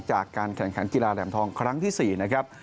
จากการแข่งขันกีฬาแหลมทองครั้งที่๔นะครับ